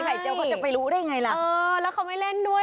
เจลเขาจะไปรู้ได้ไงล่ะเออแล้วเขาไม่เล่นด้วย